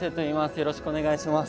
よろしくお願いします。